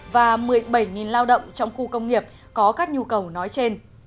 và một mươi bảy lao động trong khu công nghiệp có các nhu cầu nói trên